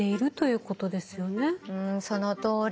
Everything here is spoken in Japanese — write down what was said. んそのとおり。